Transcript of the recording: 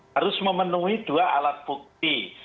harus memenuhi dua alat bukti